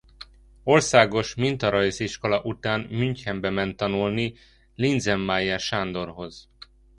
Országos Mintarajziskola után Münchenbe ment tanulni Liezen-Mayer Sándorhoz.